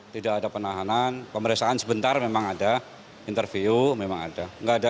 tidak ada penahanan pemeriksaan sebentar memang ada interview memang ada